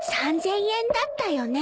３，０００円だったよね。